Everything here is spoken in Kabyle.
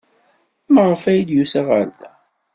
Maɣef ay d-yusa ɣer da?